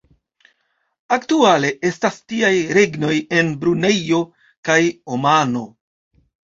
Aktuale estas tiaj regnoj en Brunejo kaj Omano.